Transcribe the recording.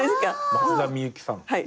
松田美由紀さん。